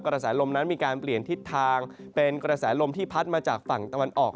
กระแสลมนั้นมีการเปลี่ยนทิศทางเป็นกระแสลมที่พัดมาจากฝั่งตะวันออก